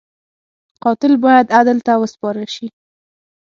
قاتل باید عدل ته وسپارل شي